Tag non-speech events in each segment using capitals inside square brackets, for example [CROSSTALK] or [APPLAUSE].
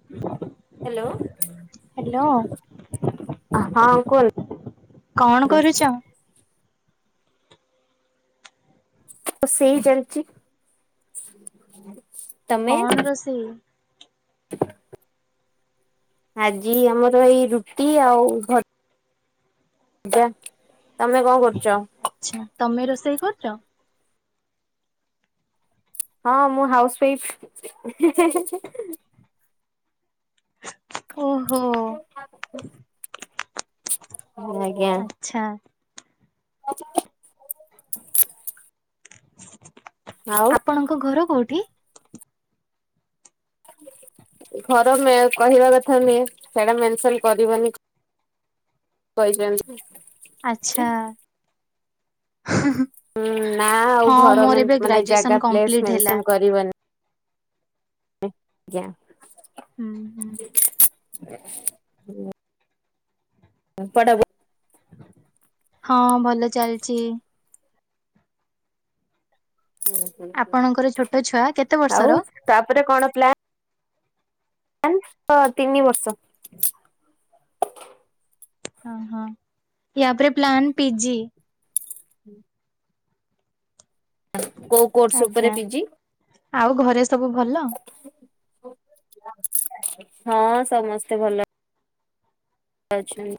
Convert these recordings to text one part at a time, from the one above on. [UNINTELLIGIBLE] Hello. Hello. ହଁ କୁହନ୍ ତୁ। କରୁଛ? ଷେଇ ଚାଲିଛି। ତମେ? କଣ ରୋଷେଇ? ଆଜି ଆମର ଏଇ ରୁଟି ଆଉ ଭ ଜା ତମେ କଣ କରୁଛ? ଆଛା ତମେ ରୋଷେଇ କରୁଛ? ହଁ ମୁଁ ହାଉସୱାଇଫ। ଓହୋ। [UNINTELLIGIBLE] ଆଛା। [UNINTELLIGIBLE] ଆଉ ଆପଣଙ୍କ ଘର କୋଉଠି? ଘର ମେ କହିବା କଥା ନୁହେଁ ସେଇଟା ମେନସନ କରିବନି। କହିଛନ୍ତି। ଆଛା। ହୁଁ-ଉ-ଉ-ଉ ନା ଆଉ ଘର ମେନ୍ ମାନେ ଗ୍ରାଜୁଏସନ ଜାଗା ପ୍ଲେସ୍ କମ୍ପ୍ଲିଟ ହେଲା। ମେନସନ କରିବନି। ଇ ଆଜ୍ଞା। ହୁଁ ହୁଁ। [UNINTELLIGIBLE] ପଢା ପଢି ହଁ ଭଲ ଚାଲିଛି। ହୁଁ ଆପଣଙ୍କର ଛୋଟ ଛୁଆ କେତେ ବର୍ଷର? ତାପରେ କଣ ପ୍ଲାନ? [UNINTELLIGIBLE] ତ ତିନି ବର୍ଷ। ଓ ହଁ ୟା ପରେ ପ୍ଲାନ୍ ପି ଜି। ହୁଁ କୋଉ କୋର୍ସ ଆଜ୍ଞା। ଉପରେ ପି ଜି? ଆଉ ଘରେ ସବୁ ଭଲ? ହଁ ସମସ୍ତେ ଭଲ ଅ ଅଛନ୍ତି।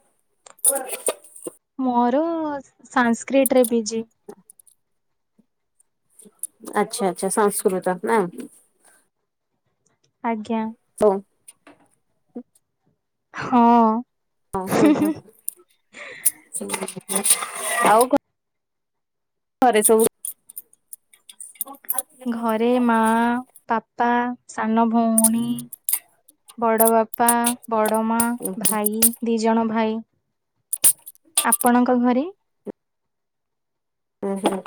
ମୋର-ଅ-ଅ-ଅ ସାସ୍କ୍ରିଟ ରେ ପି ଜି। ହ [INAUDIBLE] ଆଚ୍ଛା ଆଚଛା ସଂସ୍କୃତ ନା। ଆଜ୍ଞା। ହ। ହୁଁ। ହ ହଁ ହଁ ଆଉ କ ଘରେ ସବୁ ଘରେ ମା ବାପା ସାନ ଭଉଣୀ ବଡ଼ ବାପା, ବଡ଼ ମା, ଉଁ ହୁଁ ଭାଇ, ଦି ଜଣ ଭାଇ ଆପଣଙ୍କ ଘରେ? ହୁଁ ହୁଁ।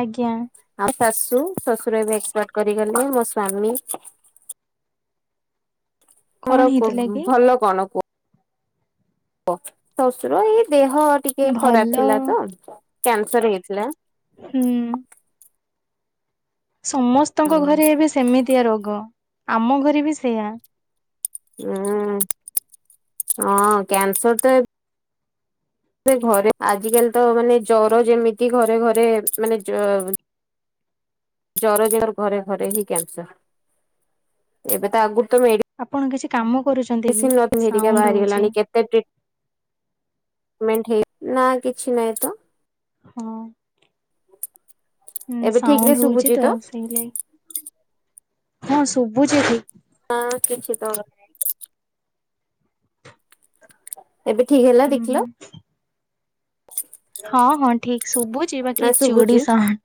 ଆଜ୍ଞା। ଆଉ ଶାଶୁ ଶ୍ୱଶୁର ଏବେ ଏକପଟ କରିଗଲେ ମୋ ସ୍ଵାମୀ କଣ ତମର ହେଇଥିଲା କି? ଭଲ କଣ କୁହ? ଓ ଶ୍ୱଶୁର ଏଇ ଦେହ ଟିକେ ଖରାପ ଭଲ ଥିଲା ତ କ୍ୟାନସର ହେଇଥିଲା। ହୁଁ। ସମସ୍ତଙ୍କ ଉଁ ଘରେ ଏବେ ସେମିତିଆ ରୋଗ। ଆମ ଘରେ ବି ସେୟା। ହୁଁ ହଁ କ୍ୟାନସର ତ ଏ ଘରେ ଆଜିକାଲି ତ ମାନେ ଜର ଯେମିତି ଘରେ ଘରେ ମାନେ ଜର ଜର ଘରେ ଘରେ ହିଁ କନ୍ସ ଏବେ ତ ଆଗରୁ ତମେ ଏ ଆପଣ କିଛି କାମ କରୁଛନ୍ତି କି ସାଉଣ୍ଡ ହଉଛି। କ୍ରେଡିଟ୍ ମେଣ୍ଟ ହେଇ ନାଇଁ କିଛି ନାହିଁ ତ। ହଁ। ହୁଁ ଏବେ ଠିକ ରେ ସାଉଣ୍ଡ ହଉଛି ଶୁଭୁଛି ତ ସେଇ ଲାଗି ହଁ ଶୁଭୁଛି ଠିକ। ଆଁ କିଛି ତୋର। ଏବେ ଠିକ ହେଲା ହୁଁ ଦେଖିଲ? ହୁଁ ହଁ ହଁ ଠିକ୍ ଶୁଭୁଛି ବାକି ନା ଚୁଡି ଶୁଭୁଛି। ସାଉଣ୍ଡ।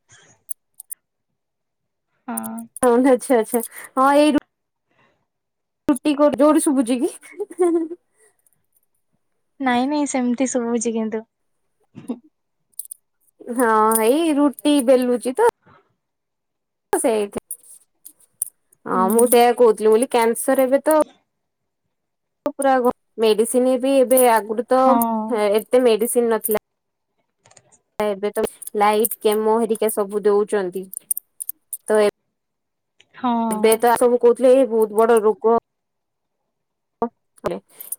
ହଁ। ହଁ ଆଚ୍ଛା ଆଚ୍ଛା ହଁ ଏଇ ରୁ ରୁଟି କର ଯୋର ଶୁଭୁଛି କି। ନାଇଁ ନାଇଁ ସେମିତି ଶୁଭୁଛି କିନ୍ତୁ। ହଁ ଏଇ ରୁଟି ବେଲୁଚି ତ। ସେଇଥି ହଁ ହୁଁ ମୁଁ ସେଇଆ କହୁଥିଲି ମୁଁ କହିଲି କ୍ୟାନସର ଏବେ ତ ପୁରା ଘ ମେଡିସିନ ବି ଏବେ ଆଗରୁ ତ ହଁ ଏତେ ମେଡିସିନ ନଥିଲା। ଆଉ ଏବେ ତ ଲାଇଟ୍, କେମୋ ହେରିକା ସବୁ ଦଉଛନ୍ତି। ତ ହଁ। ଏବେ ତ ସବୁ କହୁଥିଲେ ଏଇ ବହୁତ ବଡ ରୋଗ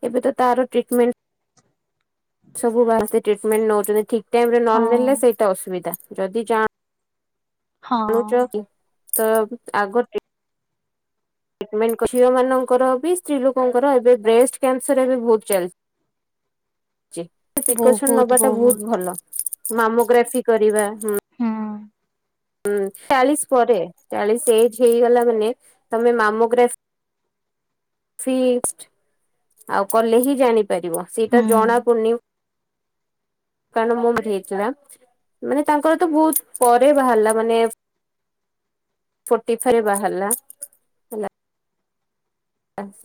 ଏବେ ତ ତାର ଟ୍ରିଟମେଣ୍ଟ ସବୁ ବାହାରେ ତ ଟ୍ରିଟମେଣ୍ଟ ନଉଛନ୍ତି ଠିକ ଟାଇମରେ ନ ହଁ। ନେଲେ ସେଇଟା ଅସୁବିଧା। ଯଦି ହଁ ଜା--ଣୁଛ ତ ଆଗ ଟ୍ରିଟ ଟ୍ରିଟମେଣ୍ଟ। ଝିଅ ମାନଙ୍କର ବି ସ୍ତ୍ରୀ ଲୋକଙ୍କର ଏବେ ବ୍ରେଷ୍ଟ କ୍ୟାନସର ଏବେ ବହୁତ ଚାଲିଛି। ଛି। ପ୍ରିକସନ ନବାଟା ବହୁତ ଭଲ ମାମୋଗ୍ରାଫି କରିବା, ହୁଁ ହୁଁ ଚାଳିଶ ପରେ ଚାଳିଶ ଏଜ ହେଇଗଲା ମାନେ ତମେ ମାମୋଗ୍ରା ଫି ଆଉ କଲେ ହିଁ ଜାଣିପାରିବ ସେଇଟା ହୁଁ। ଜଣା ପୁଡ଼ନି [INAUDIBLE] କାରଣ ମୋର ଭି ହେଇଥିଲା। ମାନେ ତାଙ୍କର ତ ବହୁତ ପରେ ବାହାରିଲା ମାନେ ଫୋର୍ଟି ଫାରେ ବାହାରିଲା।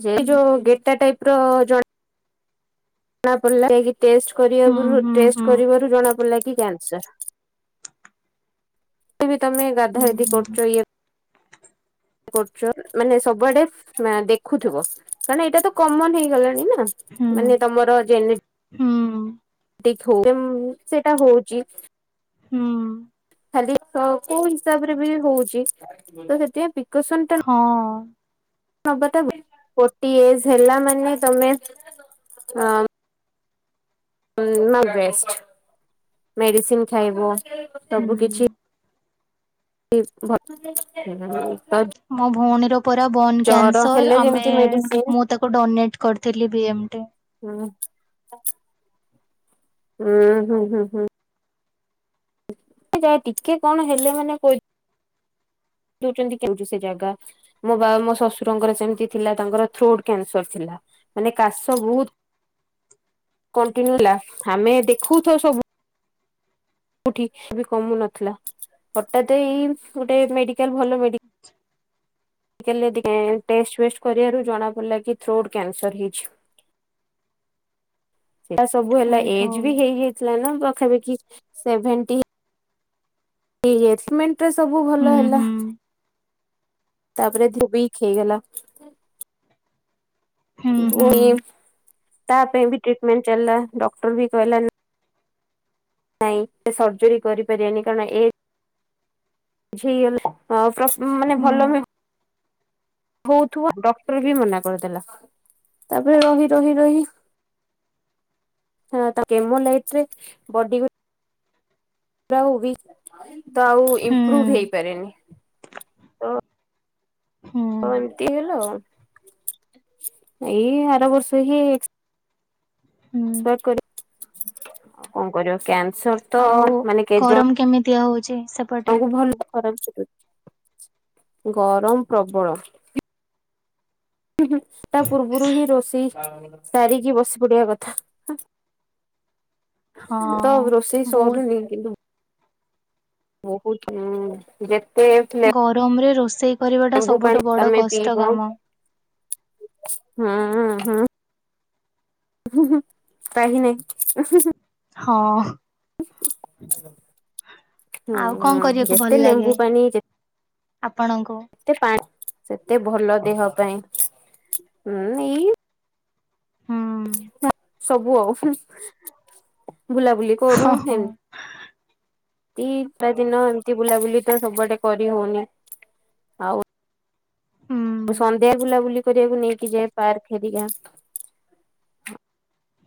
ସେଇ ହୁଁ ଯୋଉ ହୁଁ। ଗେଟା ଟାଇପ ର ଜଣା ଜଣା ପଡ଼ିଲା ଟେଷ୍ଟ କରିବା ହୁଁ ପରୁ ହୁଁ ଟେଷ୍ଟ ହୁଁ। କରିବାରୁ ଜଣାପଡ଼ିଲା କି କ୍ୟାାନସର। ତେବେ ତମେ ଗାଧା ହୁଁ ଗାଧି ହୁଁ। କରୁଛ ଇଏ କରୁଛ ମାନେ ସବୁଆଡେ ଫ ଦେଖୁଥିବ କାରଣ ଏଇଟା ତ କମନ ହେଇଗଲାଣି ନା। ହୁଁ ମାନେ ତମର ହୁଁ ଜେନେ--ଟିକ୍ ହଉ ଉଁ ସେଟା ହଉଛି। ହୁଁ। ଖାଲି ତ କୋଉ ହିସାବ ରେ ବି ହଉଛି ତ ସେଥି ପାଇଁ ପ୍ରିକସନ ଟା ହଁ। ନବାଟା ଭ ଫୋର୍ଟି ଏଜ ହେଲା ମାନେ ତମେ ଅଁ ଅଁ ବେଷ୍ଟ ମେଡିସିନ ଖାଇବ ସବୁ ହୁଁ। କିଛି [UNINTELLIGIBLE] ମୋ ଭଉଣୀର ପରା ବୋନ୍ ଜର ହେଲେ କ୍ୟାନସର ଆମେ ଯେମିତି ମେଡିସିନ ମୁଁ ତାକୁ ଡୋନେଟ କରିଥିଲି ବି ଏମ ଟେ। ହୁଁ! ହୁଁ ହୁଁ ହୁଁ ହୁଁ। ଯାହା ଟିକେ କଣ ହେଲେ ମାନେ କହି ଦଉଛନ୍ତି କେଉଠି ସେ ଜାଗା। ମୋ ବାବା ମୋ ଶ୍ୱଶୁରଙ୍କର ସେମିତି ଥିଲା ତାଙ୍କର ଥ୍ରୋଟ୍ କ୍ୟାନସର ଥିଲା। ମାନେ କାଶ ବହୁତ କଣ୍ଟିନ୍ୟୁ ହେଲା ଆମେ ଦେଖଉ ଥାଉ ସବୁ କଉଠି ବି କମୁ ନଥିଲା ହଠାତ ଏଇ ଗୋଟେ ମେଡିକାଲ ଭଲ ମେଡି ମେଡିକାଲ ରେ ଟେଷ୍ଟ ଫେଷ୍ଟ କରିବାରୁ ଜଣା ପଡିଲା କି ଥ୍ରୋଟ କ୍ୟାନସର ହେଇଛି। ସେଟା ସବୁ ହେଲା ଓହୋ। ଏଜ ବି ହେଇଯାଇଥିଲା ନା ପାଖାପାଖି ସେଭେଣ୍ଟି ଟି ହେଇଯା ମେଣ୍ଟରେ ସବୁ ହୁଁ ଭଲ ହେଲା। ହୁଁ ତାପରେ ଦେହ ଉଇକ୍ ହେଇଗଲା। ହୁଁ ଭ ହୁଁ ତା ପାଇଁ ବି ଟ୍ରିଟମେଣ୍ଟ ଚାଲିଲା ଡକ୍ଟର ବି କହିଲା ନାଇଁ ସେ ସର୍ଜରି କରିପାରିବନି କାରଣ ଏ ବୁଝ ହେଇଗଲେ ମାନେ ହୁଁ ଭଲ ହଉଥିବା ଡକ୍ଟର ବି ମନା କରିଦେଲା ତାପରେ ରହି ରହି ରହି ହ ତା କେମ ଲାଇଟରେ ବଡି ଗ ବି ତ ଆଉ ହୁଁ ଇମ୍ପୃଭ୍ ହେଇପାରେନି ହଁ ହୁଁ। ଏମତି ହେଲ ଆ ଏଇ ଆର ବର୍ଷ ହି ହୁଁ ଆଉ କଣ କରିବ କ୍ୟାନ୍ସର ତ ଦିଆ ହଉଛି ସବ ଭଲ ଖରା ଗରମ ପ୍ରବଳ ହୁଁ ହୁଁ ତା ପୂର୍ବରୁ ହିଁ ରୋଷେଇ ସାରିକି ବସି ପଡିବା କଥା ହଁ ତ ରୋଷେଇ ବହୁତ ସରୁନି କିନ୍ତୁ ବହୁତ ଆଁ ଯେତେ ଫ୍ଲେ ଗରମ ରେ ରୋଷେଇ କରିବା ଟା ଲେମ୍ବୁ ପାଣି ସବୁଠୁ ବଡ କଷ୍ଟ କାମ ହଁ ହଁ ହୁଁ ହୁଁ ହୁଁ କହି ନାହିଁ ହୁଁ ହୁଁ ହୁଁ ହଁ ଆଉ କଁ ହୁଁ କରିବାକୁ ଯେତେ ଭଲ ଲାଗେ। ଲେମ୍ବୁ ପାଣି ଆପଣଙ୍କୁ ଯେତେ ପାଣି ସେତେ ଭଲ ଦେହ ପାଇଁ ହୁଁ ଇ ହୁଁ ସବୁ ଆଉ ହୁଁ, ବୁଲାବୁଲି କରୁ ହଁ ହଁ ହେମ ଦଟା ଦିନ ଏମତି ବୁଲାବୁଲି ତ ସବୁଆଡେ କରି ହଉନି ଆଉ ହୁଁ ସନ୍ଧ୍ୟା ବୁଲାବୁଲି କରିବାକୁ ନେଇକି ଯାଏ ପାର୍କ ଘେରିକା।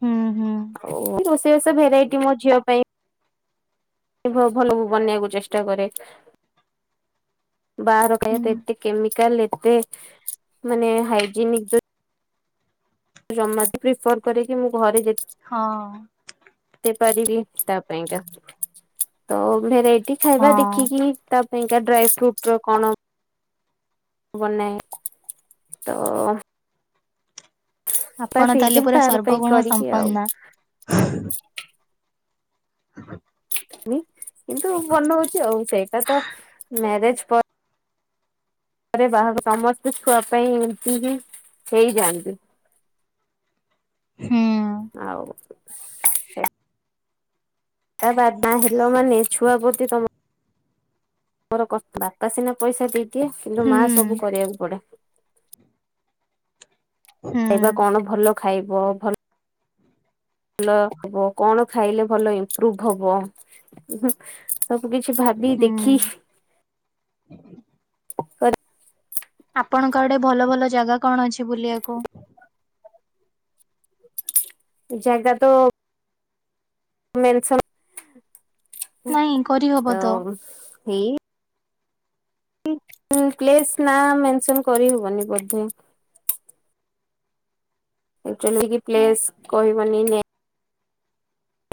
ହୁଁ ହୁଁ ହଉ ରୋଷେଇ ବାଷ ଭେରାଇଟ କି ମୋ ଝିଅ ପାଇଁ ଭଲ ମୁଁ ବନେଇବାକୁ ଚେଷ୍ଟା କରେ। ବାର କେ ହୁଁ କେତେ କେମିକାଲ ଏତେ ମାନେ ହାଇଜିନିକ ଜମାବି ପ୍ରିଫର୍ କରେ କିି ମୁଁ ଘରେ ଯେତିକି ହଁ ଦେଇ ପାରିବି ତା ପାଇଁକା ତ ଭେରାଇଟି ଖାଇବା ହଁ ଦେଖିକି ତା ପାଇଁକା ଡ୍ରାଇଫ୍ରୁଟ ର କଣ ବନାଏ ତ ଆପଣ ବାସ୍ ଏଇ ତାହେଲେ ଯାହା ପୁରା ତାର ପାଇଁ ସର୍ବଗୁଣ କରିକି ଆଉ ସମ୍ପର୍ଣ୍ଣା [UNINTELLIGIBLE] କିନ୍ତୁ ମନ ହଉଚି ଆଉ ସେଇଟା ତ ମ୍ୟାରେଜ ପରେ ତାପରେ ବାହାଘ ସମସ୍ତେ ଛୁଆ ପାଇଁ ଏମତି ହିଁ ହେଇଯାଆନ୍ତି। ହୁଁ ଆଉ ତା' ବାବା ମା ହେଲ ମାନେ ଛୁଆ ପ୍ରତି ତମର ତମର କର୍ତ୍ତବ୍ୟ ବାପା ସିନା ପଇସା ଦେଇଦିଏ, କିନ୍ତୁ ହୁଁ ମାଆ ସବୁ କରିବାକୁ ପଡେ। ହୁଁ ଖାଇବା କଣ ଭଲ ଖାଇବ ଭଲ ଭଲହବ କଣ ଖାଇଲେ ଭଲ ଇମ୍ପ୍ରୁଭ ହବ। ହୁଁ ହୁଁ ସବୁ କିଛି ଭାବି ଦେଖି ହୁଁ। [INAUDIBLE] କର ଆପଣଙ୍କ ଆଡେ ଭଲ ଭଲ ଜାଗା କଣ ଅଛି ବୁଲିବାକୁ? ଜାଗାତ ମେନସନ ନାଇଁ କରିହବ ତ ହେଇ କି ପ୍ଲେସ୍ ନା ମେନସନ କରିହବନି ବୋଧେ। ଏକଚୁଆଲି କି ପ୍ଲେସ କହିବନି ନାଁ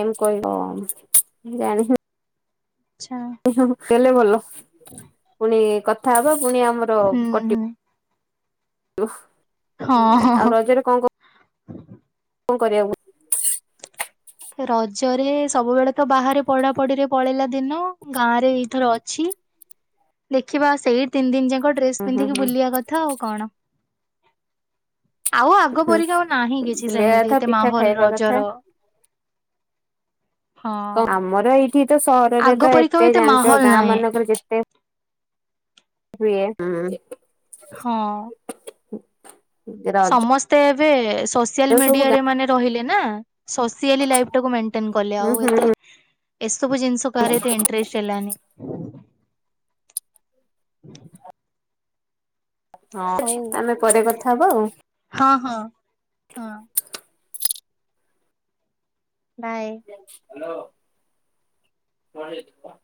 ଏମତି କହି ହବ କଁ ଜାଣିଶୁଣି ଆଚ୍ଛା ନକହିଲେ ଭଲ ପୁଣି କଥା ହବା ପୁଣି ଆମର ହୁଁ କଟିବ। ହୁଁ ହୁଁ ହଁ ହଁ ହଁ। ଆଉ ରଜରେ କଣ କଁ କଁ କଁ କରିବାକୁ। ରଜରେ ସବୁବେଳେ ତ ବାହାରେ ପଢା ପଢିରେ ପଳେଇଲା ଦିନ। ଗାଁ ରେ ଏଇଥର ଅଛି ଦେଖିବା ସେଇ ତିନି ଦିନି ଯାକ ଡ୍ରେସ ହୁଁ ହୁଁ ପିନ୍ଧିକି ହୁଁ ବୁଲିବା କଥା ଆଉ କଣ, ଆଉ ଆଗ ହୁଁ ପରିକା ଆଉ ନାହିଁ କିଛି ବୁଲିବା ସେମିତି କଥା ଏତେ ପିଠା ମାହୋଲ ଖାଇବା କଥା ରଜର ହଁ। ଆମର ଏଇଠି ତ ସହରରେ ଆଗ ତ ପରିକା ଆଉ ଏତେ ଜାଣିଚ ମାହୋଲ ଗାଁ ନାହିଁ ମାନଙ୍କର ଯେତେ ହୁଏ। ହଁ [INAUDIBLE] ରଜ ସମସ୍ତେ ଏବେ ସୋସିଆଲ ସବୁ ଗାଁ ମିଡିଆରେ ମାନେ ରହିଲେ ନା, ସ ସିଏଲି ଲାଇଫ ଟାକୁ ମେଣ୍ଟେନ୍ କଲେ ହୁଁ ଆଉ ହୁଁ ଏତେ ହୁଁ ଏସବୁ ଜିନିଷ କାହାର ଏତେ ଇନ୍ତ୍ରେଷ୍ଟ୍ ହେଲାନି। ହଁ ହଉ ଆମେ ପରେ କଥା ହବା ଆଉ। ହଁ ହଁ ହଁ। ବାଏ। ହ୍ୟାଲୋ, [UNINTELLIGIBLE]